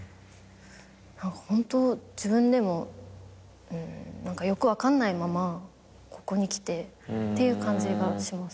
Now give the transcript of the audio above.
ホント自分でもよく分かんないままここに来てっていう感じがします。